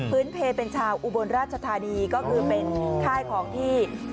เพลเป็นชาวอุบลราชธานีก็คือเป็นค่ายของที่